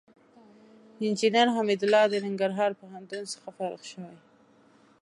انجينر حميدالله د ننګرهار پوهنتون څخه فارغ شوى.